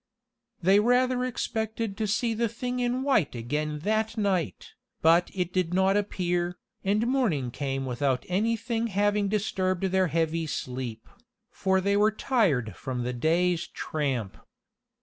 They rather expected to see the thing in white again that night, but it did not appear, and morning came without anything having disturbed their heavy sleep, for they were tired from the day's tramp.